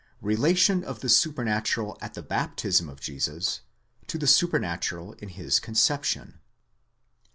RELATION OF THE SUPERNATURAL AT THE BAPTISM OF JESUS TO THE SUPERNATURAL IN HIS CONCEPTION.